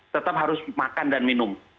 tetap harus makan dan minum